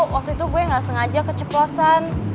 waktu itu gue gak sengaja keceplosan